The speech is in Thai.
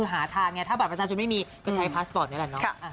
หาทางไงถ้าบัตรประชาชนไม่มีก็ใช้พาสปอร์ตนี่แหละเนาะ